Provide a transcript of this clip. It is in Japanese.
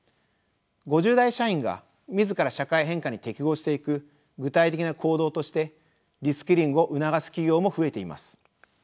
５０代社員が自ら社会変化に適合していく具体的な行動としてリスキリングを促す企業も増えています。